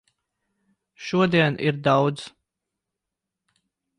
Šodien ir daudz.